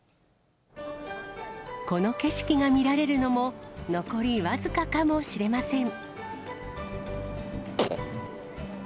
この景色が見られるのも、残り僅かかもしれません。